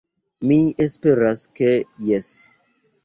Mi esperas ke jes.